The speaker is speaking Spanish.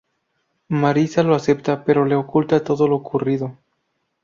Marisa lo acepta, pero le oculta todo lo ocurrido.